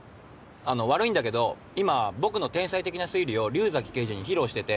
あの悪いんだけど今僕の天才的な推理を竜崎刑事に披露してて。